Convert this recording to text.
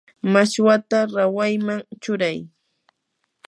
mashwata rawayman churay.